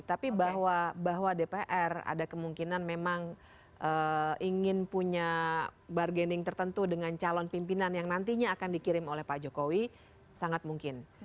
tapi bahwa dpr ada kemungkinan memang ingin punya bargaining tertentu dengan calon pimpinan yang nantinya akan dikirim oleh pak jokowi sangat mungkin